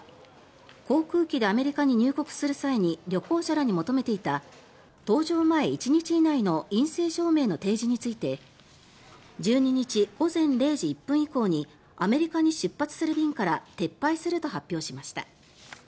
航空機でアメリカに入国する際に旅行者らに求めていた搭乗前１日以内の陰性証明の提示について１２日午前０時１分以降にアメリカに出発する便から撤廃すると発表しました。